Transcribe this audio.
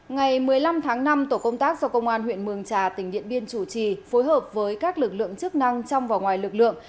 ngày một mươi năm tháng năm tổ công tác do công an huyện mường trà tỉnh điện biên chủ trì phối hợp với các lực lượng chức năng trong và ngoài lực lượng